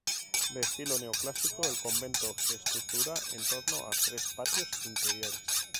De estilo neoclásico, el convento se estructura en torno a tres patios interiores.